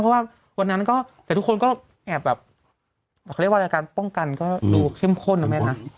เพราะว่าวันนั้นก็แต่ทุกคนก็แอบแบบเขาเรียกว่ารายการป้องกันก็ดูเข้มข้นนะแม่นะ